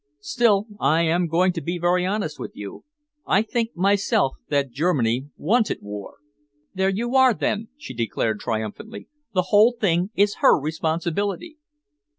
Still, I am going to be very honest with you. I think myself that Germany wanted war." "There you are, then," she declared triumphantly. "The whole thing is her responsibility."